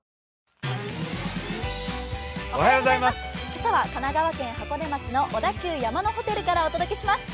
今朝は神奈川県箱根町の小田急山のホテルからお届けします。